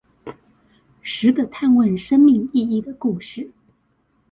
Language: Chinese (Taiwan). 十個探問生命意義的故事